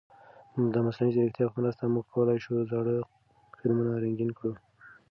د مصنوعي ځیرکتیا په مرسته موږ کولای شو زاړه فلمونه رنګین کړو.